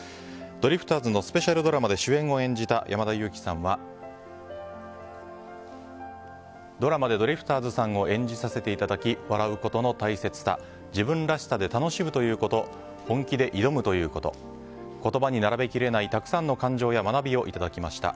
ドリフターズのスペシャルドラマで主演を演じた山田裕貴さんはドラマでドリフターズさんを演じさせていただき笑うことの大切さ自分らしさで楽しむということ本気で挑むということ言葉に並べきれないたくさんの感情や学びをいただきました。